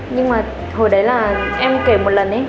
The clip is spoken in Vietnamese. nhưng mà hồi đấy là em kể một lần ấy